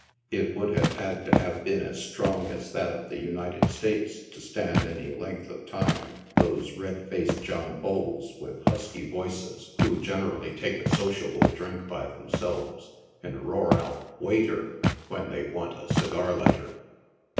It would have had to have been as strong as that of the United States to stand any length of time those red faced John Bulls with husky voices, who 80 NIGHT SIDE OF NEW YORK. generally take a sociable drink by themselves, and roar out " waiter !" when they want a segar lighter.